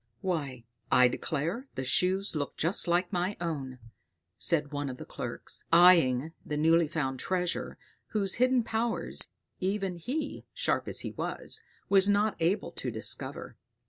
"Why, I declare the Shoes look just like my own," said one of the clerks, eying the newly found treasure, whose hidden powers, even he, sharp as he was, was not able to discover.